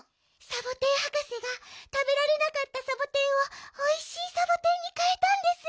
サボテンはかせがたべられなかったサボテンをおいしいサボテンにかえたんです。